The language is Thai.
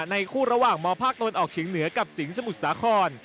ในคู่ระหว่างมภต้นออกชิงเหนือกับสิงสมุทรสาคอน